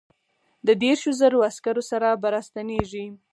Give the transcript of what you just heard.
د دیرشو زرو عسکرو سره به را ستنېږي.